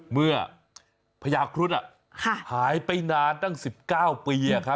เมื่อพระยาค